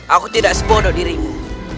aku tidak sebodoh dirimu